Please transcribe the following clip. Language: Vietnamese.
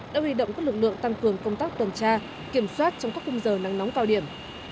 đã huy động các lực lượng tăng cường công tác tuần tra kiểm soát trong các cung giờ nắng nóng cao điểm